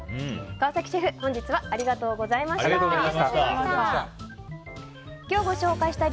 川崎シェフ本日はありがとうございました。